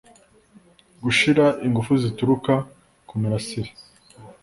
gushira ingufu zituruka ku mirasire